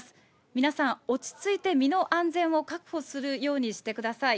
皆さん、落ち着いて身の安全を確保するようにしてください。